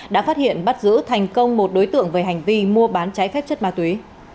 đã phát hiện bắt giữ thành công một đối tượng về hành vi mua bán trái phép chất ma túy